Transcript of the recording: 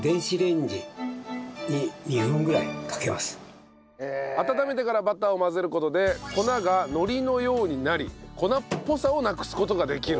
さあ温めてからバターを混ぜる事で粉がのりのようになり粉っぽさをなくす事ができる。